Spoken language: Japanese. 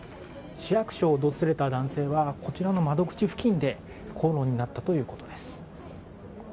市役所を訪れた男性はこちらの窓口付近で口論になったということです。